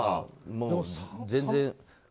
もう、全然。